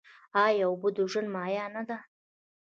آیا اوبه د ژوند مایه نه ده؟